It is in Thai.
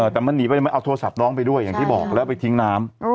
แต่มันหนีไปทำไมเอาโทรศัพท์น้องไปด้วยอย่างที่บอกแล้วไปทิ้งน้ำ